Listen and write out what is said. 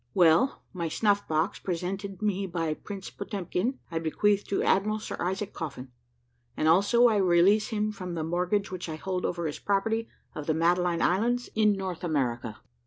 "Well; my snuff box, presented me by Prince Potemkin, I bequeath to Admiral Sir Isaac Coffin; and, also, I release him from the mortgage which I hold over his property of the Madeline Islands, in North America.